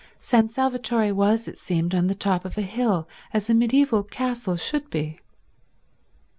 San Salvatore was, it seemed, on the top of a hill, as a mediaeval castle should be.